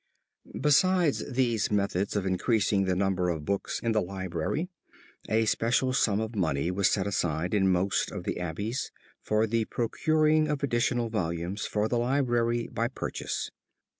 Besides these methods of increasing the number of books in the library, a special sum of money was set aside in most of the abbeys for the procuring of additional volumes for the library by purchase.